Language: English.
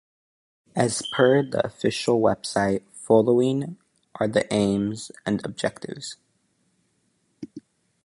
As per the official website following are the aims and objectives.